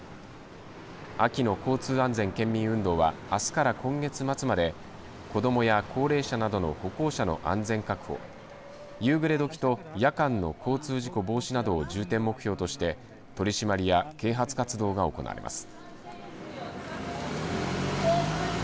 秋の交通安全県民運動はあすから今月末まで子どもや高齢者などの歩行者の安全確保夕暮れ時と夜間の交通事故防止などを重点目標として取締りや啓発活動が行われます。